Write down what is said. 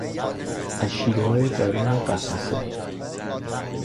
اشیای درون قفسه